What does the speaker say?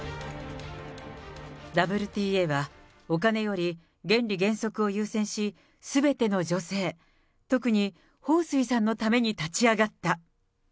ＷＴＡは、お金より、原理原則を優先し、すべての女性、特に彭帥さんのために立ち上がった。